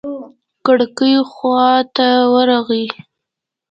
کړکۍ خوا ته ورغى.